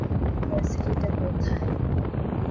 University টা কোথায়?